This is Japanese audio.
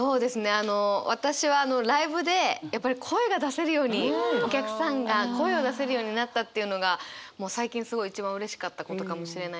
あの私はライブでやっぱり声が出せるようにお客さんが声を出せるようになったっていうのがもう最近すごい一番うれしかったことかもしれないです。